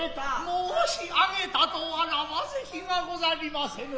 申上げたとあらば是非がござりませぬ。